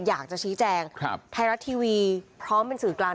อยากจะชี้แจงไทยรัฐทีวีพร้อมเป็นสื่อกลาง